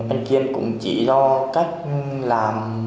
anh duyên cũng chỉ do cách làm